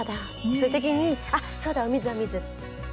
そういう時に「あっそうだお水お水」。